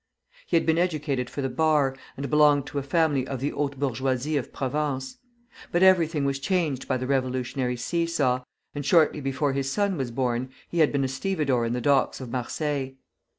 He had been educated for the Bar, and belonged to a family of the haute bourgeoisie of Provence; but everything was changed by the revolutionary see saw, and shortly before his son was born, he had been a stevedore in the docks of Marseilles.